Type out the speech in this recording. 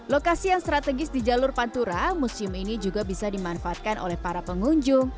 lokasi yang strategis di jalur pantura museum ini juga bisa dimanfaatkan oleh para pengunjung